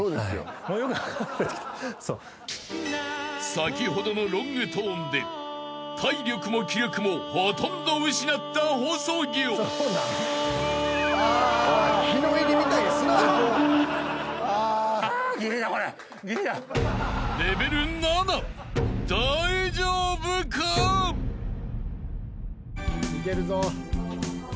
［先ほどのロングトーンで体力も気力もほとんど失った細魚］いけるぞ。